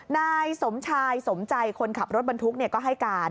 นายสมชายสมใจคนขับรถบรรทุกก็ให้การ